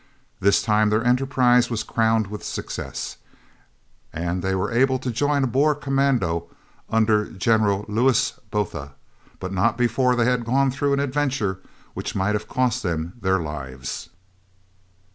This time their enterprise was crowned with success, and they were able to join a Boer commando under General Louis Botha, but not before they had gone through an adventure which might have cost them their lives.